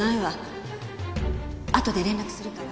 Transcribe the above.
あとで連絡するから。